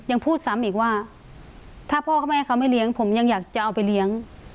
ยังพูดซ้ำอีกว่าถ้าพ่อกับแม่เขาไม่เลี้ยงผมยังอยากจะเอาไปเลี้ยง